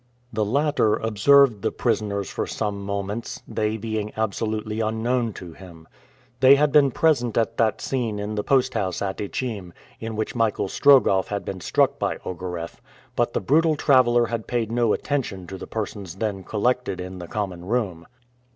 The latter observed the prisoners for some moments, they being absolutely unknown to him. They had been present at that scene in the post house at Ichim, in which Michael Strogoff had been struck by Ogareff; but the brutal traveler had paid no attention to the persons then collected in the common room.